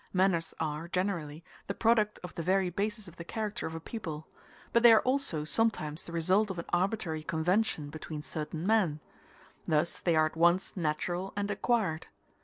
Manners are, generally, the product of the very basis of the character of a people, but they are also sometimes the result of an arbitrary convention between certain men; thus they are at once natural and acquired.